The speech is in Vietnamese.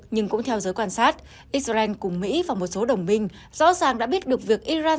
nhưng cũng theo giới quan sát israel cùng mỹ và một số đồng minh rõ ràng đã biết được việc iran